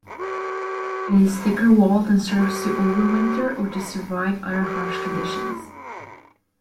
It is thicker-walled and serves to overwinter or to survive other harsh conditions.